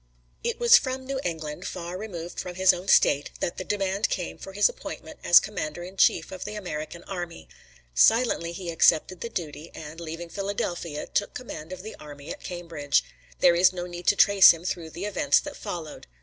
It was from New England, far removed from his own State, that the demand came for his appointment as commander in chief of the American army. Silently he accepted the duty, and, leaving Philadelphia, took command of the army at Cambridge. There is no need to trace him through the events that followed.